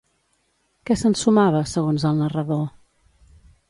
Què s'ensumava, segons el narrador?